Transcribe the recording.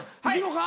はい。